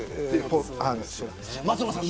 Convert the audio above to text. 松岡さん